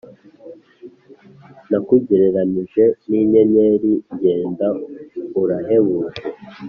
nakugereranije n’inyenyeri genda urahebuje.